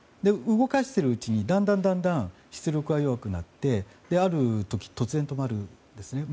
動かしているうちにだんだん出力が弱くなってある時、突然止まるんです。